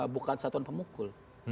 bukan satuan pemukul